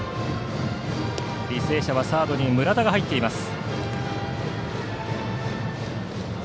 履正社はサードに村田が入っています。